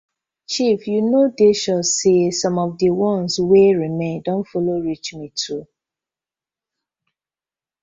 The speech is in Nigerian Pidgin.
Chief yu no dey sure say som of di ones wey remain do follow reach me too.